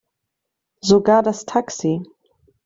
Sogar das Taxi.